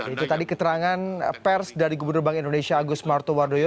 itu tadi keterangan pers dari gubernur bank indonesia agus martowardoyo